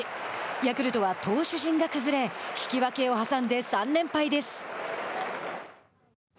ヤクルトは投手陣が崩れ引き分けを挟んで３連敗です。